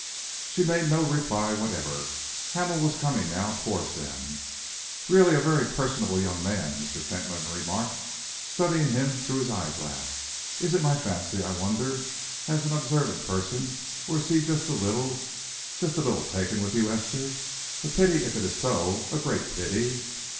She made no reply whatever. Hamel was coming now towards them. "Really a very personable young man," Mr. Fentolin remarked, studying him through his eyeglass. "Is it my fancy, I wonder, as an observant person, or is he just a little just a little taken with you, Esther? A pity if it is so a great pity."